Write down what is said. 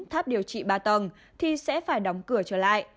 tháp điều trị ba tầng thì sẽ phải đóng cửa trở lại